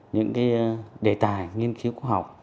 những đề tài nghiên cứu khoa học